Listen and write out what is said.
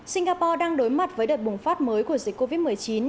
singapore đang đối mặt với đợt bùng phát mới của dịch covid một mươi chín